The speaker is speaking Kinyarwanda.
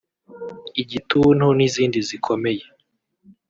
igituntu n’izindi zikomeye